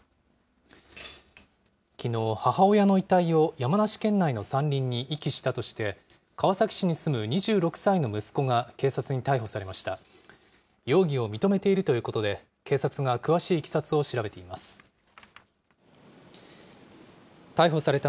きのう、母親の遺体を山梨県内の山林に遺棄したとして、川崎市に住む２６歳の息子が警察に逮捕されました。